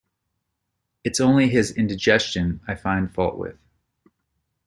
It's only his indigestion I find fault with.